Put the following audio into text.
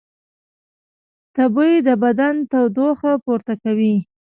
تبې د بدن تودوخه پورته کوي